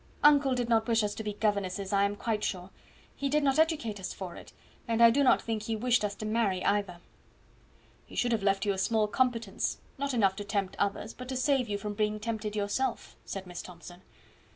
Uncle did not wish us to be governesses, I am quite sure; he did not educate us for it; and I do not think he wished us to marry either." "He should have left you a small competence not enough to tempt others, but to save you from being tempted yourself," said Miss Thomson.